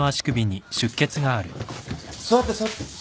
座って座って。